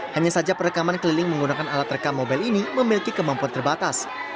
hanya saja perekaman keliling menggunakan alat rekam mobil ini memiliki kemampuan terbatas